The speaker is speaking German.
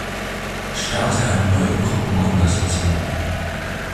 Starte eine neue Gruppenkonversation.